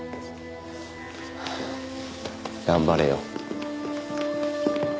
頑張れよ。